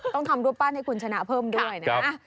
ต้องทำรูปปั้นให้คุณชนะเพิ่มด้วยนะ